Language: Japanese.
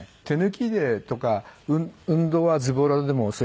手抜きでとか運動はズボラでも。